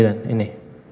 nah sembilan ini